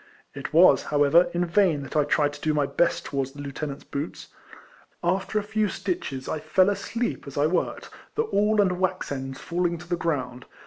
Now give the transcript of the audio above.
It was, however, in vain that I tried to do my best towards the lieutenant's boots. After a few stitches, I fell asleep as I worked, the awl and wax ends falling to the ground.